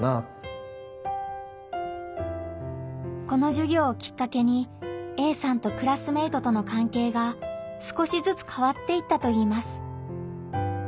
このじゅぎょうをきっかけにＡさんとクラスメートとのかんけいが少しずつ変わっていったといいます。